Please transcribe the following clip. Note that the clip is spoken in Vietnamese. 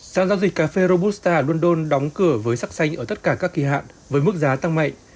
sản giao dịch cà phê robusta ở london đóng cửa với sắc xanh ở tất cả các kỳ hạn với mức giá tăng mạnh